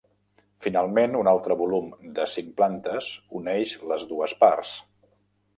Finalment, un altre volum de cinc plantes uneix les dues parts.